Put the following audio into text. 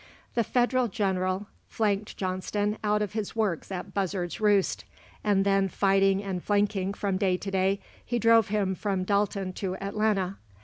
The Federal General flanked Johnston out of his works at Buzzard's Roost; and then, fighting and flanking from day to day, he drove him from Dalton to Atlanta.